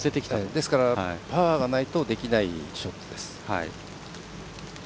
ですから、パワーがないとできないショットです。